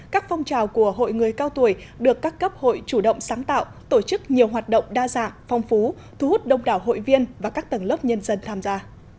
các phong trào của hội người cao tuổi được các cấp hội chủ động sáng tạo tổ chức nhiều hoạt động đa dạng phong phú thu hút đông đảo hội viên và các tầng lớp nhân dân tham gia